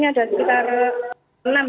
ini ada sekitar enam